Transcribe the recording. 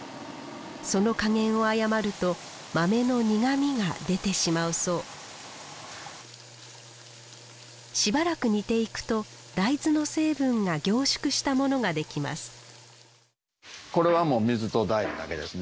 その加減を誤ると豆の苦みが出てしまうそうしばらく煮ていくと大豆の成分が凝縮したものができます